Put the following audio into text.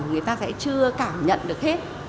người ta sẽ chưa cảm nhận được hết